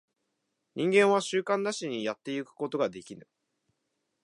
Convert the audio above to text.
人間は習慣なしにやってゆくことができぬ。